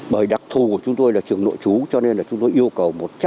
bởi đặc thù của chúng tôi là trường nội trú cho nên là chúng tôi yêu cầu